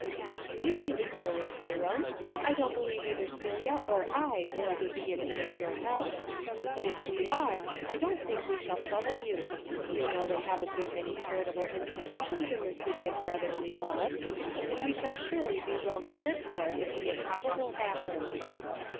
"You needn't worry, Hiram. I don't be lieve either Celia or I will ever be in need of your help. But if we are, I don't think we shall trouble you. You know they have a good many charitable institutions in the City of Brotherly Love, and we shall surely be well cared for if the improbable happens."